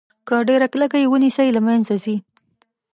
که ډیره کلکه یې ونیسئ له منځه ځي.